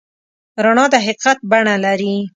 رڼا د حقیقت بڼه لري.